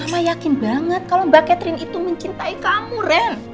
mama yakin banget kalau mbak catherine itu mencintai kamu ren